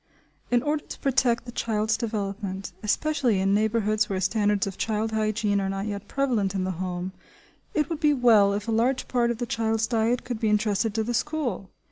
In order to protect the child's development, especially in neighbourhoods where standards of child hygiene are not yet prevalent in the home, it would be well if a large part of the child's diet could be entrusted to the school.